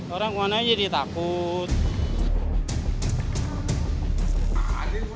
orang kemana jadi takut